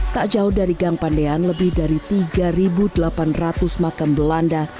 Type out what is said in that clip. tak jauh dari gang pandean lebih dari tiga delapan ratus makam belanda